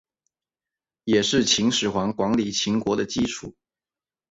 也是秦始皇管理秦国的基础。